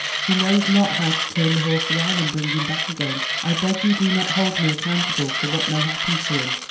He knows not how to turn the horse around and bring him back again. I beg you do not hold me accoimtable for what may 42 THE TREASURE CHEST happen to him."